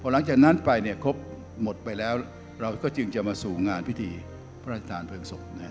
หลังจากนั้นไปครบหมดไปแล้วเราก็จึงจะมาสู่งานพิธีพระราชทานเพลิงศพ